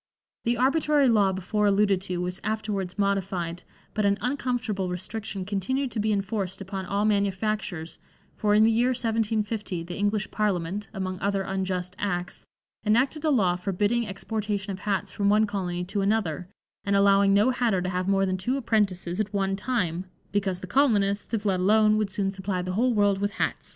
The arbitrary law before alluded to was afterwards modified, but an uncomfortable restriction continued to be enforced upon all manufactures, for in the year 1750 the English Parliament, among other unjust acts, enacted a law forbidding exportation of hats from one colony to another and allowing no hatter to have more than two apprentices at one time, "because the colonists, if let alone, would soon supply the whole world with hats."